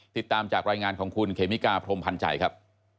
ติดตามจากรายงานของคุณเคมิกาพรมพันธ์ใจครับ